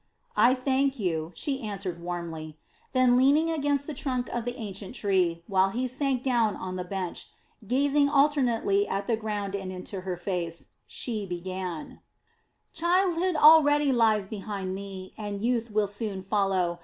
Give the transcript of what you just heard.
"I thank you," she answered warmly. Then leaning against the trunk of the ancient tree, while he sank down on the bench, gazing alternately at the ground and into her face, she began: "Childhood already lies behind me, and youth will soon follow.